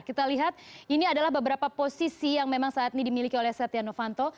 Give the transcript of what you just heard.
kita lihat ini adalah beberapa posisi yang memang saat ini dimiliki oleh setia novanto